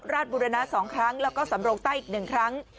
พลาดบุรณาสองครั้งแล้วก็สำโรคใต้อีกหนึ่งครั้ง